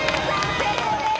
成功です。